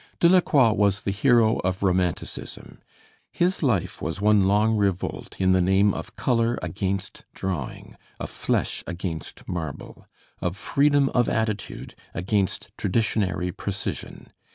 Delacroix was the hero of Romanticism. His life was one long revolt in the name of color against drawing, of flesh against marble, of freedom of attitude against traditionary precision.